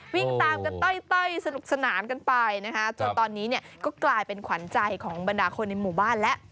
วิ่งตามกันต้อยสนุกสนานกันไปนะคะจนตอนนี้เนี่ยก็กลายเป็นขวัญใจของบรรดาคนในหมู่บ้านแล้ว